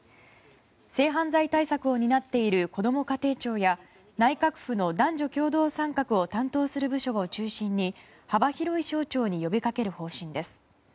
性犯罪対策を担っているこども家庭庁や内閣府の男女共同参画を担当する部署を中心に幅広い省庁に呼びかける方針です。